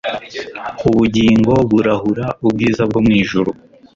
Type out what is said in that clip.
Ubugingo burahura ubwiza bwo mu ijuru